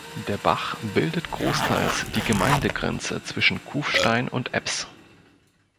Der Bach bildet großteils die Gemeindegrenze zwischen Kufstein und Ebbs.